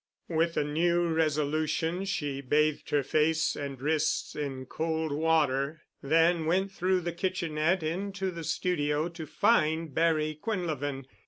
With a new resolution she bathed her face and wrists in cold water, then went through the kitchenette into the studio to find Barry Quinlevin.